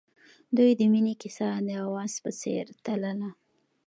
د دوی د مینې کیسه د اواز په څېر تلله.